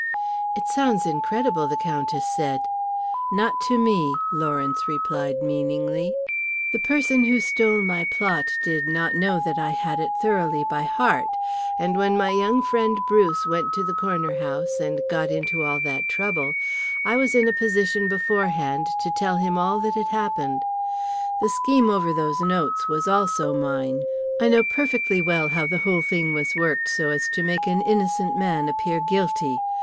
"It sounds incredible," the Countess said. "Not to me," Lawrence replied meaningly. "The person who stole my plot did not know that I had it thoroughly by heart. And when my young friend Bruce went to the Corner House and got into all that trouble, I was in a position beforehand to tell him all that had happened. The scheme over those notes was also mine. I know perfectly well how the whole thing was worked so as to make an innocent man appear guilty.